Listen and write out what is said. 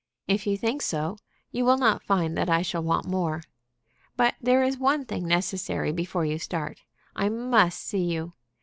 If you think so, you will not find that I shall want more. "But there is one thing necessary before you start. I must see you.